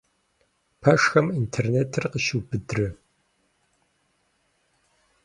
Пэшхэм интернетыр къыщиубыдрэ?